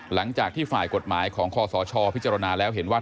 หลังจากที่ฝ่ายกฎหมายของคอสชพิจารณาแล้วเห็นว่า